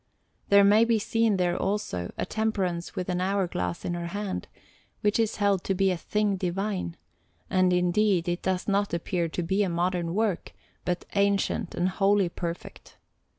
There may be seen there, also, a Temperance with an hourglass in her hand, which is held to be a thing divine; and, indeed, it does not appear to be a modern work, but ancient and wholly perfect.